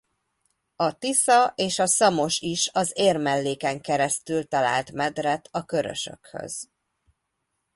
A Tisza és a Szamos is az Érmelléken keresztül talált medret a Körösökhöz.